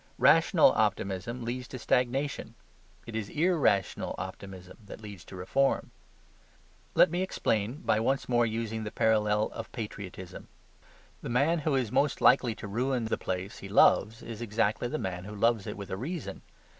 Rational optimism leads to stagnation: it is irrational optimism that leads to reform. Let me explain by using once more the parallel of patriotism. The man who is most likely to ruin the place he loves is exactly the man who loves it with a reason.